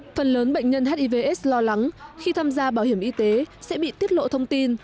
phần lớn bệnh nhân hivs lo lắng khi tham gia bảo hiểm y tế sẽ bị tiết lộ thông tin